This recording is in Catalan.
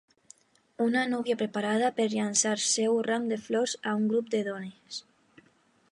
Una núvia preparada per llançar seu ram de flors a un grup de dones.